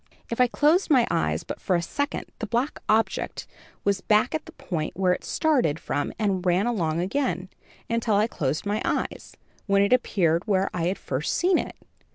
If I closed my eyes but for a second, the black object was back at the point where it started from and ran along again, until I closed my eyes, when it appeared where I had first seen it.